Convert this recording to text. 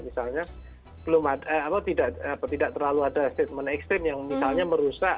misalnya tidak terlalu ada statement ekstrim yang misalnya merusak